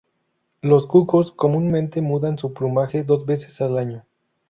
Los cucos comunes mudan su plumaje dos veces al año.